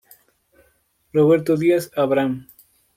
Roberto Díaz Abraham.